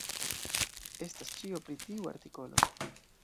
Estas ĉio pri tiu artikolo.